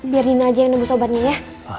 biar din aja yang nebus obatnya ya